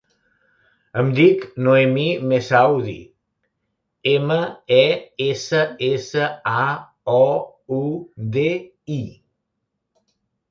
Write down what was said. Em dic Noemí Messaoudi: ema, e, essa, essa, a, o, u, de, i.